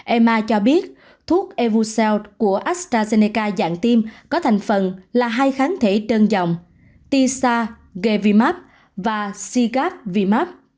emma cho biết thuốc evucelt của astrazeneca dạng tim có thành phần là hai kháng thể đơn giọng tisagavimab và sigavimab